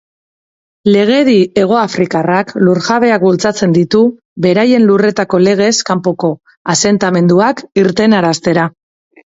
Legedi hegoafrikarrak lurjabeak bultzatzen ditu beraien lurretako legez kanpoko asentamenduak irtenaraztera.